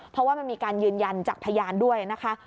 เพราะว่ามันมีการยืนยันจากพยานด้วยนะคะ